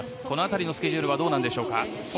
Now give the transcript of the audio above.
この辺りのスケジュールはいかがでしょうか？